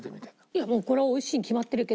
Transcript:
いやもうこれは美味しいに決まってるけど。